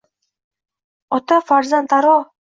Ota-farzand aro